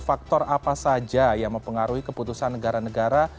faktor apa saja yang mempengaruhi keputusan negara negara